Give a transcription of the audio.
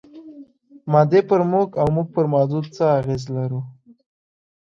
مادې پر موږ او موږ پر مادو څه اغېز لرو؟